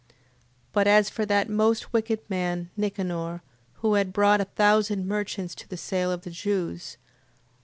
But as for that most wicked man, Nicanor, who had brought a thousand merchants to the sale of the Jews, 8:35.